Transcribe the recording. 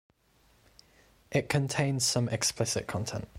It contains some explicit content.